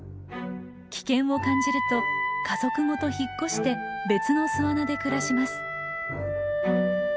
危険を感じると家族ごと引っ越して別の巣穴で暮らします。